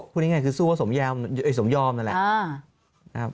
พูดง่ายสู้ว่าสมยอมนั่นแหละ